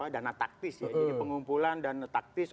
dana taktis ya jadi pengumpulan dana taktis